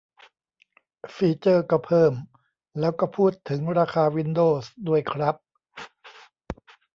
ฟีเจอร์ก็เพิ่ม แล้วก็พูดถึงราคาวินโดวส์ด้วยครับ